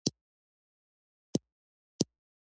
موږ ته یې له ماشومتوب نه دا خبره نه ده ښودلې